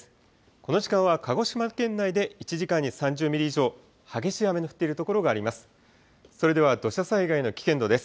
この時間は鹿児島県内で１時間に３０ミリ以上、激しい雨の降っているところがあります。